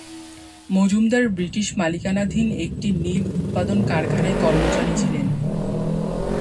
Majumdar British মালিকানাধীন একটি নীল উৎপাদন কারখানার কর্মচারী ছিলেন।